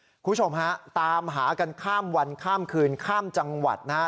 คุณผู้ชมฮะตามหากันข้ามวันข้ามคืนข้ามจังหวัดนะฮะ